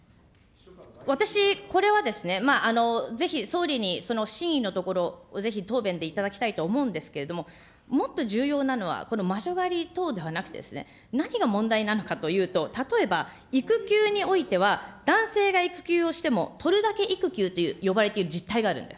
私、これはぜひ総理にその真意のところ、ぜひ答弁で頂きたいと思うんですけれども、もっと重要なのはこの魔女狩り等ではなくて何が問題なのかというと、例えば育休においては、男性が育休をしても取るだけ育休と呼ばれている実態があるんです。